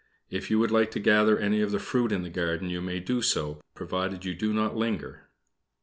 If you would like to gather any of the fruit of the garden you may do so, provided you do not linger."